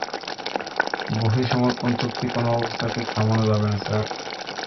বহিঃসমর্পণ চুক্তি কোন অবস্থাতেই থামানো যাবে না, স্যার।